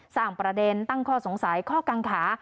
สร้างประเด็นตั้งข้อสงสัยข้อกังขา